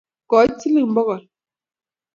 Koit siling pokol